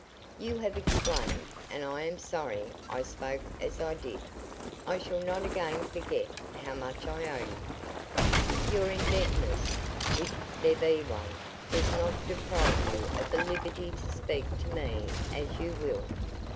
"You have explained, and I am sorry I spoke as I did. I shall not again forget how much I owe you." "Your indebtedness, if there be one, does not deprive you of the liberty to speak to me as you will.